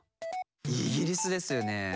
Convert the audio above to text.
イギリスですよね。